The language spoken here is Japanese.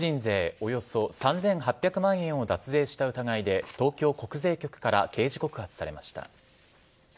およそ３８００万円を脱税した疑いで東京国税局から刑事告発されました。